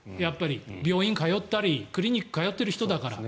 病院に通ったり、クリニックに通っている人だから。